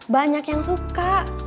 banyak yang suka